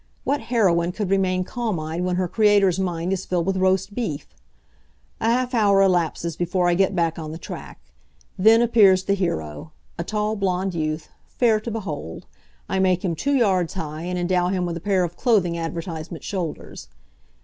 What heroine could remain calm eyed when her creator's mind is filled with roast beef? A half hour elapses before I get back on the track. Then appears the hero a tall blond youth, fair to behold. I make him two yards high, and endow him with a pair of clothing advertisement shoulders.